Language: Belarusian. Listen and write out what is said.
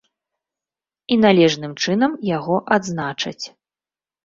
І належным чынам яго адзначаць.